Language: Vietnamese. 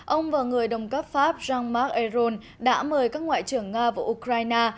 ông và người đồng cấp pháp jean marc ayron đã mời các ngoại trưởng nga và ukraine